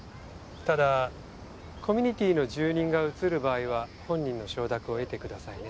ただコミュニティーの住人が映る場合は本人の承諾を得てくださいね。